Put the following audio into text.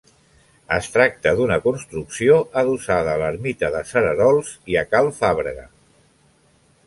Es tracta d'una construcció adossada a l'Ermita de Cererols i a cal Fàbrega.